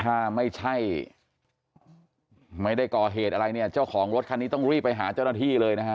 ถ้าไม่ใช่ไม่ได้ก่อเหตุอะไรเนี่ยเจ้าของรถคันนี้ต้องรีบไปหาเจ้าหน้าที่เลยนะฮะ